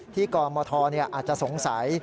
ที่กรมอธอาจจะสงสัย